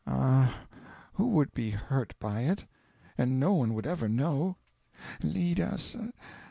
Ah, who would be hurt by it? and no one would ever know... Lead us...."